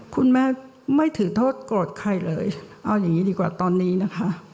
คุณแม่ไม่ถือโทษโกรธใครเลยเอาอย่างนี้ดีกว่าตอนนี้นะคะ